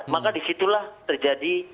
maka disitulah terjadi